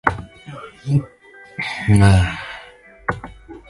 罗克韦斯特是位于美国阿拉巴马州威尔科克斯县的一个非建制地区。